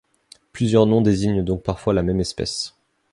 Plusieurs noms désignent donc parfois la même espèce.